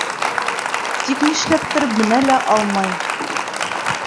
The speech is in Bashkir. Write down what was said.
Тик, нишләптер, менә лә алмай.